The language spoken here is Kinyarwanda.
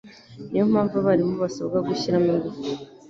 Niyo mpamvu abarimu basabwa gushyiramo ingufu.